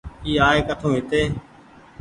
اي آئي ڪٺون هيتي ۔